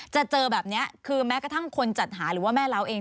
เจอแบบนี้คือแม้กระทั่งคนจัดหาหรือว่าแม่เล้าเอง